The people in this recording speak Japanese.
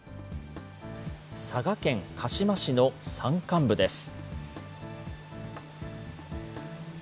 佐賀県鹿島市の山間部です。